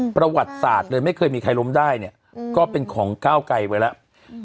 ประวัติศาสตร์เลยไม่เคยมีใครล้มได้เนี่ยก็เป็นของก้าวไกลไว้แล้ว